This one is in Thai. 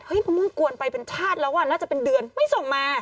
มะม่วงกวนไปเป็นชาติแล้วอ่ะน่าจะเป็นเดือนไม่ส่งมา